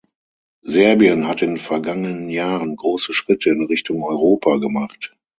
Serbien hat in den vergangenen Jahren große Schritte in Richtung Europa gemacht.